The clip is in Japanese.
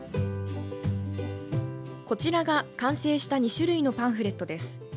こちらが完成した２種類のパンフレットです。